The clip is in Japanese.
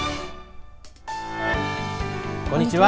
こんにちは。